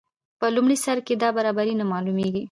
په لومړي سر کې دا برابري نه معلومیږي.